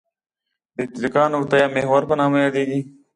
د اتکا نقطه یا محور په نامه یادیږي.